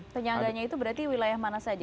penyangganya itu berarti wilayah mana saja